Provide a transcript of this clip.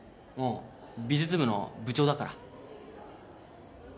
美術部の部長だから。